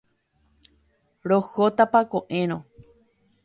Rehótapa ko'ẽrõ.